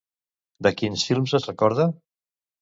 De quins films es recorda?